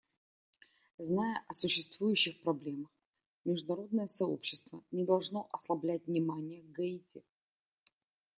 Зная о существующих проблемах, международное сообщество не должно ослаблять внимания к Гаити.